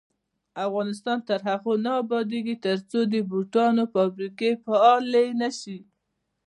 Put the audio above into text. افغانستان تر هغو نه ابادیږي، ترڅو د بوټانو فابریکې فعالې نشي.